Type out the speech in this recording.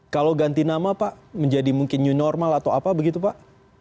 kalau ganti nama pak menjadi mungkin new normal atau apa begitu pak